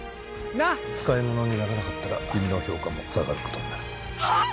なっ使いものにならなかったら君の評価も下がることになるはっ？